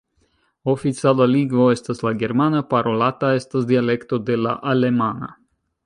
Oficiala lingvo estas la germana, parolata estas dialekto de la alemana.